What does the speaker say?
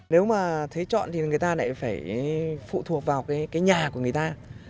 nếu mà thế chọn thì người ta lại phải phụ thuộc vào cái nhà của người ta